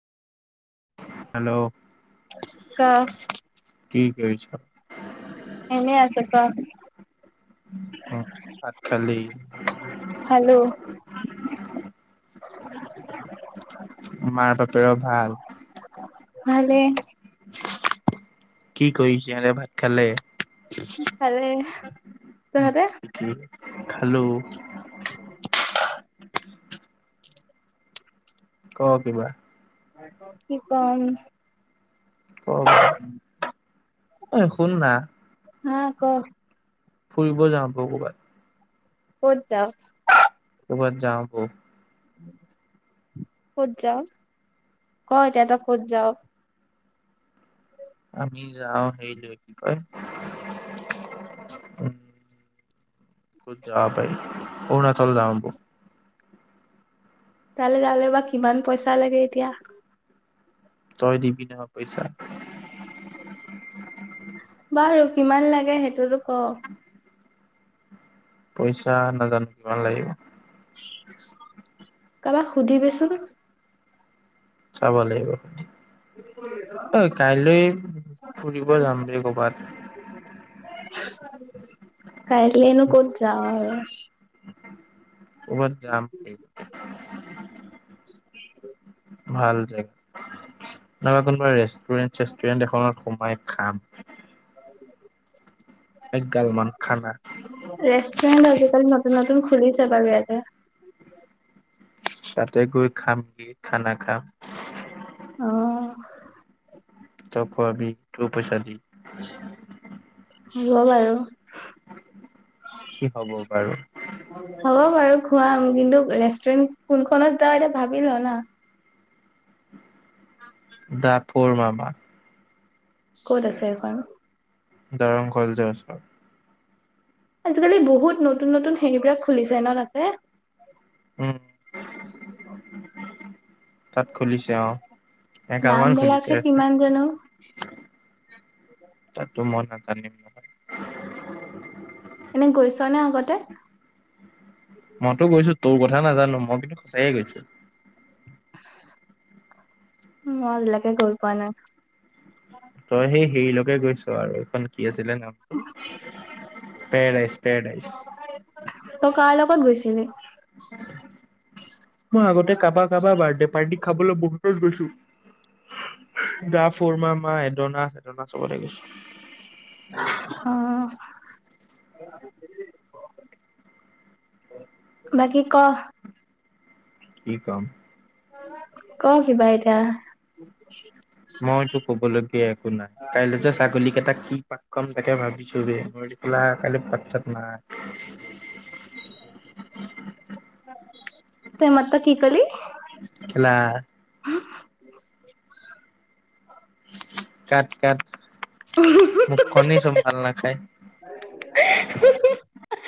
Hello [unintelligible] কি কৰিছ এনে আছো ক' উম ভাত খালি খালো [inaudible] মাৰ বাপেৰেৰ ভাল ভালে কি কৰিছে ইহঁতে ভাত খালে খালে। খালো। ক', কিবা? কি কম, ক', কিবা এই শুন না, '- হা', -ক, ফুৰিব যাও বল কোবাত? কত যাৱ? কবাত যাওঁ বল, ক'ত যাও? [unintelligible] উম্ যাওঁ হেৰি লয় কি কয়', উম', ক'ত যাব পাৰি? অৰুণাচল যাও ব'ল। তালৈ যালে বা কিমান পইচা লাগে এতিয়া, ' তই দিবি নহয় পইচা। বাৰু কিমান লাগে, সেইটোতো ক? পইচা নাজানো কিমান লাগিব। কাবাক সুধিবিচোন! চাব লাগিব। অই ', কাইলৈ ফুৰিব যাম ৰে কবাত। কাইলেনো ক'ত যাও আৰু কবাত জামৰে, [unintelligible] ভাল জেগ, উম', নাইবা কোনবা ৰেষ্ট, ' ষ্টুৰেন্ত -চেষ্টুৰেণ্ট এখনত সোমাই, খাম। এক গাল মান খানা ৰেষ্টুৰেন্ট আজিকালি নতুন-নতুন খুলিছে বাৰু ইয়াতে। তাতে গৈ, খামগে খানা খাম। অ', তই', খোৱাবি তোৰ পইচা দি। [inaudible] হ'ল আৰু। কি হ'ব বাৰু? হ'ব বাৰু খুৱাম, কিন্তু ৰেষ্টুৰেণ্ট কোনখনত যাওঁ এতিয়া ভাবি ল', না',। দা', - ফৰ মামা। ক'ত আছে এখন? দৰং কলেজৰ ওচৰত। আজিকালি বহুত নতুন নতুন হেৰিবিলাক খুলিছে ন তাতে? উ তাত খুলিছে অ এগাল দাম মান খুলিছে। বিলাকে কিমান জানো তাতো ম ধ [unintelligible] এনে গৈছ নে আগতে? মইতো গৈছো তোৰ কথা নাজানো মই কিন্তু সঁচায়ে গৈছোঁ। মই আজিলৈকে গৈ পোৱা নাই তই সেই হেৰিলৈকে গৈছ আৰু এইখন কি আছে কি আছিলে নামটো পেৰেডাইজ পেৰেডাইজ। ক'ত গৈছিলি? মই আগতে কাবাৰ কাবাৰ বাৰ্থডে পাৰ্টি খাবলৈ বহুতত গৈছো। গা ফুৰ মামাই জনা আছে জনা চবলে গৈছো। অ' বাকী ক কি কম? ক কিবা এটা। মইতো ক'ব লগীয়া একো নাই, কাইলৈ যে ছাগলী কেইটা কি পা কম তাকে ভাবিছো ৰে ম পেলা কাইলে পাতছাত নাই। তই এই মাত্ৰ কি কলি? খেলা [unintelligible] কাট কাট। মোখ খনেই চব ভাল নাখায়।